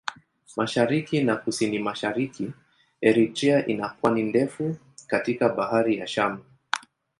Mashariki na Kusini-Mashariki Eritrea ina pwani ndefu katika Bahari ya Shamu.